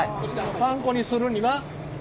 パン粉にするには。